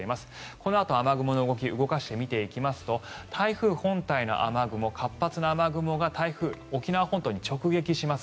このあと雨雲の動きを動かしていきますと台風本体の雨雲、活発な雨雲が台風、沖縄本島に直撃します。